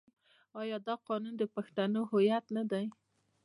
آیا دا قانون د پښتنو هویت نه دی؟